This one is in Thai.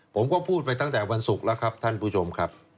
ผมก็พูดไปตั้งแต่วันศุกร์แล้วครับท่านผู้ชมครับ